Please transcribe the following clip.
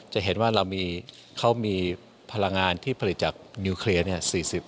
จะเห็นว่าเรามีพลังงานที่ผลิตจากนิวเคลียร์เนี่ย